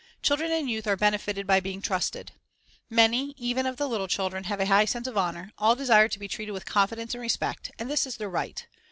Children and youth are benefited by being trusted. Many, even of the little children, have a high sense of honor ; all desire to be treated with confidence and respect, and this is their right.